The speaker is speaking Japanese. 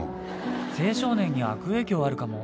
青少年に悪影響あるかも。